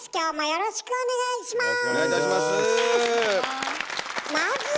よろしくお願いします。